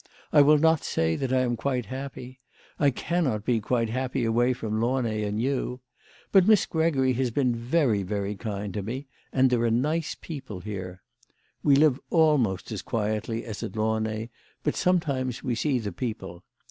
I will not say that I am quite happy. I cannot be quite happy away from Launay and you. But Miss Gregory has be^n very, very kind to me, and there are nice people here. We live almost as quietly as at Launay, but sometimes we see the people.